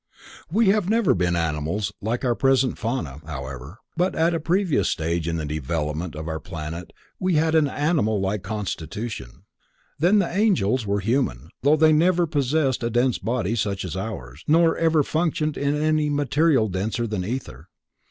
We have never been animals like our present fauna, however, but at a previous stage in the development of our planet we had an animal like constitution. Then the angels were human, though they have never possessed a dense body such as ours, nor ever functioned in any material denser than ether.